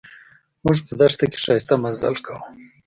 موږ په دښته کې ښایسته مزل کاوه.